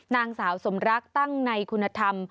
นางสาวสมรักตั้งในคุณธรรม